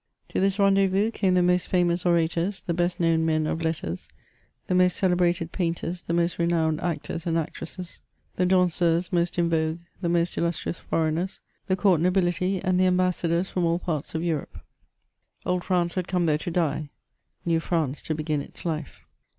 To this rendezvous came the most famous orators, the best known men of letters, the most celebrated painters, the most renowned actors and actresses, the danseuses most in vogue, the most illustrious foreigners, the court nobility, and the ambassadors from all parts of Europe ; old France had come there to die, new France to begin its life.